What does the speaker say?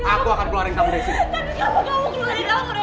aku akan keluarin kamu di sini